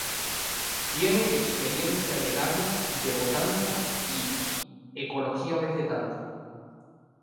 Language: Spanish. Tiene experiencia en el área de Botánica y Ecología Vegetal.